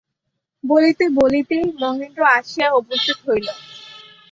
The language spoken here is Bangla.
বলিতে-বলিতেই মহেন্দ্র আসিয়া উপস্থিত হইল।